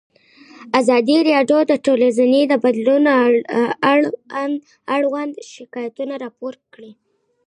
ازادي راډیو د ټولنیز بدلون اړوند شکایتونه راپور کړي.